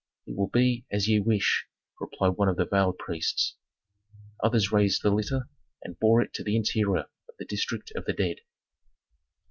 "It will be as ye wish," replied one of the veiled priests. Others raised the litter and bore it to the interior of the district of the dead.